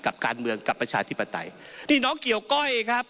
กับการเมืองกับประชาธิปไตยนี่น้องเกี่ยวก้อยครับ